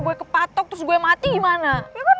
ngejelas gue juga bete